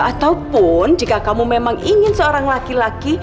ataupun jika kamu memang ingin seorang laki laki